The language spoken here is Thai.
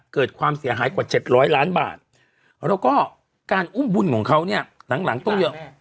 เกิดความเสียหายกว่า๗๐๐ล้านบาทแล้วก็การอุ้มบุญของเขาเนี่ยหลังต้องเยอะ